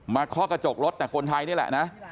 เคาะกระจกรถแต่คนไทยนี่แหละนะ